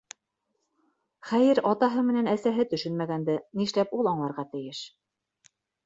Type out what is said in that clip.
Хәйер, атаһы менән әсәһе төшөнмәгәнде ни эшләп ул аңларға тейеш.